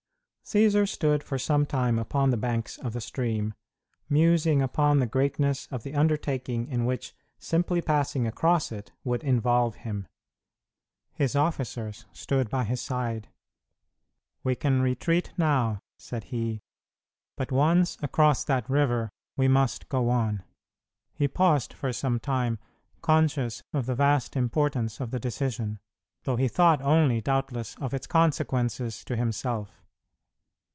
Cćsar stood for some time upon the banks of the stream, musing upon the greatness of the undertaking in which simply passing across it would involve him. His officers stood by his side. "We can retreat now" said he, "but once across that river, we must go on." He paused for some time, conscious of the vast importance of the decision, though he thought only, doubtless, of its consequences to himself.